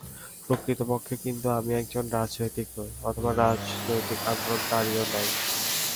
প্রকৃতপক্ষে কিন্তু আমি একজন রাজনীতিক নই, অথবা রাজনৈতিক আন্দোলনকারীও নই।